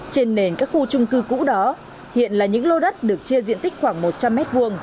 trên nền các khu trung cư cũ đó hiện là những lô đất được chia diện tích khoảng một trăm linh m hai